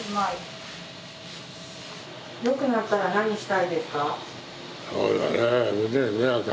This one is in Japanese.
よくなったら何したいですか？